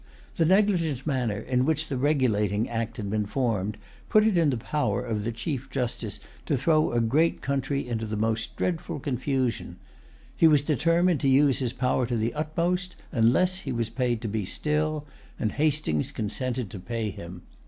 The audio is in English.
The negligent manner in which the Regulating Act had been framed put it in the power of the Chief Justice to throw a great country into the most dreadful confusion. He was determined to use his power to the utmost, unless he was paid to be still; and Hastings consented to pay him.